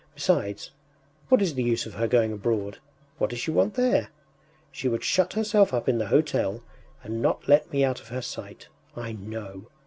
Besides, what is the use of her going abroad? What does she want there? She would shut herself up in the hotel, and not let me out of her sight.... I know!